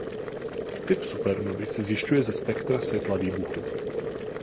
Typ supernovy se zjišťuje ze spektra světla výbuchu.